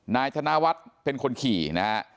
นายธนวัฒน์เป็นคนขี่นะฮะ